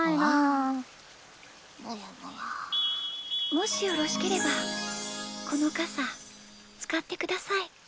・もしよろしければこのかさつかってください。